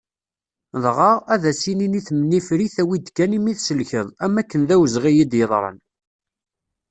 Dγa, ad as-inin i temnifrit awi-d kan imi tselkeḍ am wakken d awezγi i d-yeḍran.